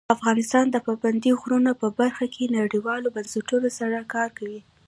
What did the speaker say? افغانستان د پابندی غرونه په برخه کې نړیوالو بنسټونو سره کار کوي.